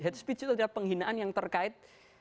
hate speech itu adalah penghinaan yang terkait